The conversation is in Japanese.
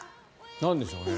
なんでしょうね。